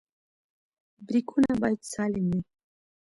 برېکونه باید سالم وي.